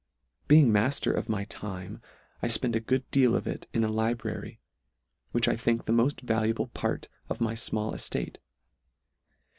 Being mafter of my time, I fpend a good deal of it in a library, which I think the moil valuable part of my fmall eftate ; and 6 L ETTE R I